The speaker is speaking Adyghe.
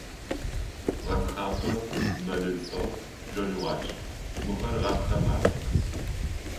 Гъэтхапэ, мэлылъфэгъу, жъоныгъуакӀ – мыхэр гъэтхэ мазэх.